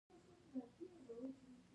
اختیار الدین کلا څومره پخوانۍ ده؟